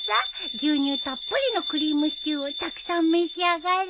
牛乳たっぷりのクリームシチューをたくさん召し上がれ。